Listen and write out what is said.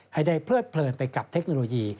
ให้ได้เพลิดเพลินไปกับเทคโนโลยี